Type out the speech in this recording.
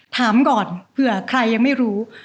ถามก่อนเผื่อใครยังไม่รู้